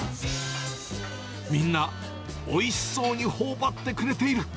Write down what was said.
みんな、おいしそうにほおばってくれている。